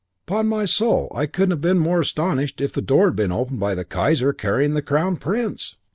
'Pon my soul, I couldn't have been more astonished if the door had been opened by the Kaiser carrying the Crown Prince.